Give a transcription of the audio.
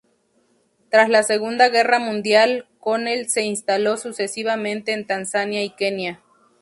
Tras la Segunda Guerra Mundial, Connell se instaló sucesivamente en Tanzania y Kenia.